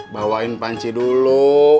bawain panci dulu